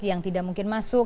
yang tidak mungkin masuk